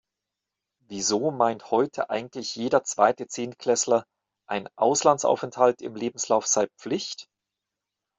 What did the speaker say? Wieso meint heute eigentlich jeder zweite Zehntklässler, ein Auslandsaufenthalt im Lebenslauf sei Pflicht?